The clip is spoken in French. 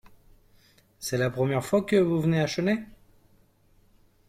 C’est la première fois que vous venez à Chennai ?